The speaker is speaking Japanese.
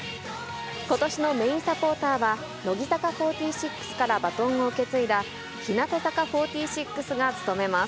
ことしのメインサポーターは、乃木坂４６からバトンを受け継いだ日向坂４６が努めます。